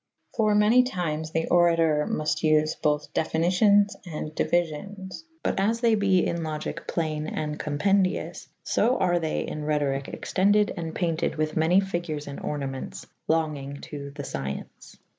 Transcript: For many tymes the orator muft vfe bothe diffinicions and diuifions. But as they be in Logyke playne and compendioufe / So are they in Rhetorike extendid & paynted with many fygures and ornamentes longynge^ to the fcience.